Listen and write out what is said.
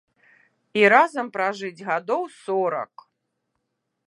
І разам пражыць гадоў сорак!